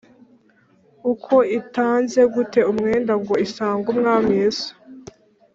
Uko itanze gute umwenda, Ngo isange Umwami Yesu.